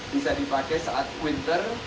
bisa dipakai saat winter